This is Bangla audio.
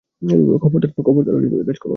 খবরদার একাজ কোরো না।